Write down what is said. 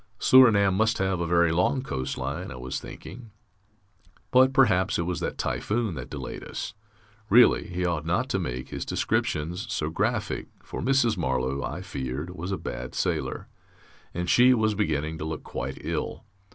Surinam must have a very long coast line, I was thinking. But perhaps it was that typhoon that delayed us.... Really, he ought not to make his descriptions so graphic, for Mrs. Marlow, I feared, was a bad sailor, and she was beginning to look quite ill....